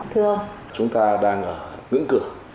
thưa ông chúng ta đang ở ngưỡng cửa